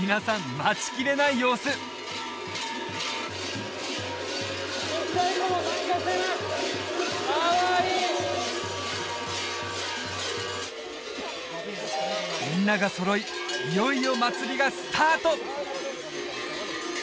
待ちきれない様子かわいいみんなが揃いいよいよ祭りがスタート